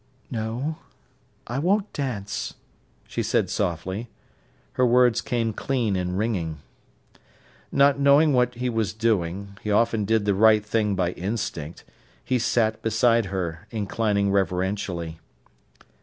"No, I won't dance," she said softly. Her words came clean and ringing. Not knowing what he was doing—he often did the right thing by instinct—he sat beside her, inclining reverentially.